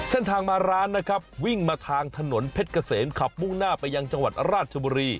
เส้นทางมาร้านนะครับวิ่งมาทางถนนเพชรเกษมขับมุ่งหน้าไปยังจังหวัดราชบุรี